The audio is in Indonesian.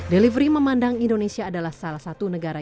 delivery memandang indonesia adalah salah satu negara